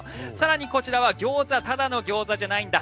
こちらはただのギョーザじゃないんだ。